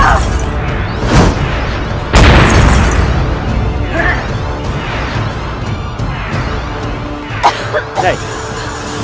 aku tidak percaya